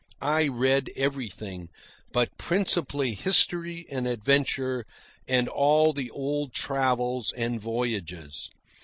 I read everything, but principally history and adventure, and all the old travels and voyages.